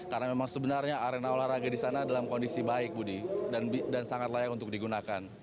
karena memang sebenarnya arena olahraga di sana dalam kondisi baik budi dan sangat layak untuk digunakan